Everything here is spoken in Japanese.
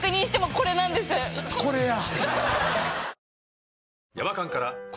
これや。